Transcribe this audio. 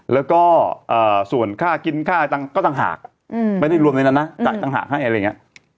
แล้วก็ส่วนค่ากินค่าก็ต่างหากไม่ได้รวมในนั้นนะจ่ายต่างหากให้อะไรอย่างนี้